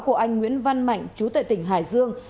của anh nguyễn văn mạnh chú tại tỉnh hải dương